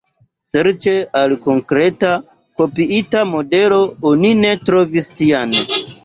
Serĉe al konkreta, kopiita modelo oni ne trovis tian.